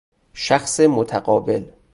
شخص متقابل